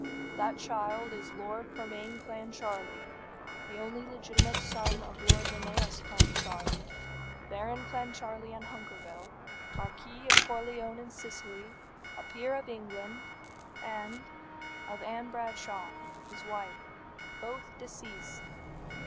"That child is Lord Fermain Clancharlie, the only legitimate son of Lord Linnæus Clancharlie, Baron Clancharlie and Hunkerville, Marquis of Corleone in Sicily, a peer of England, and of Ann Bradshaw, his wife, both deceased.